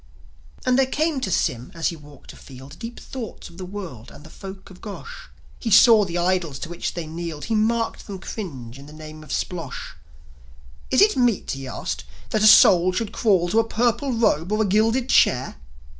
And there came to Sym as he walked afield Deep thoughts of the world and the folk of Gosh. He saw the idols to which they kneeled; He marked them cringe to the name of Splosli. Is it meet," he asked, "that a soul should crawl To a purple robe or a gilded chair?"